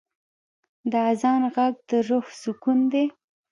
د آذان ږغ د روح سکون دی.